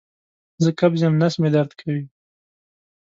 زه قبض یم نس مې درد کوي